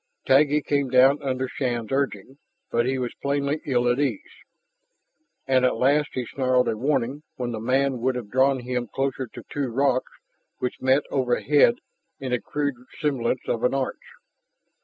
Taggi came down under Shann's urging, but he was plainly ill at ease. And at last he snarled a warning when the man would have drawn him closer to two rocks which met overhead in a crude semblance of an arch.